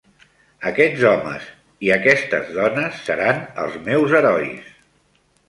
Aquests homes i aquestes dones seran els meus herois